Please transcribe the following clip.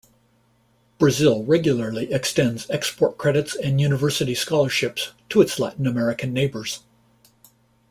Brazil regularly extends export credits and university scholarships to its Latin American neighbors.